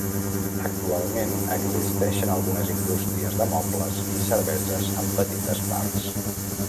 Actualment, existeixen algunes indústries de mobles i cerveses en petites parts.